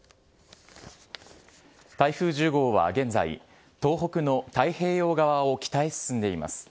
台風１０号は現在、東北の太平洋側を北へ進んでいます。